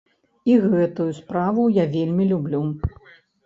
І гэтую справу я вельмі люблю.